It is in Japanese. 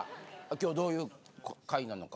今日どういう回なのか。